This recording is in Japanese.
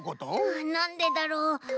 あなんでだろう？